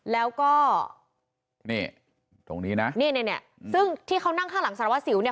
แล้วก็นี่ตรงนี้นะนี่เนี่ยซึ่งที่เขานั่งข้างหลังสารวัสสิวเนี่ย